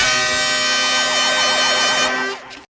โปรดติดตามตอนต่อไป